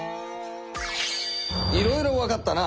いろいろわかったな。